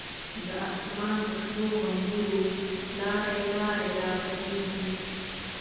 د آسمان په شنو غومبرو، لاری لاری را بهیږی